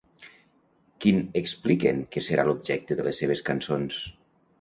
Quin expliquen que serà l'objecte de les seves cançons?